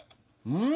うん！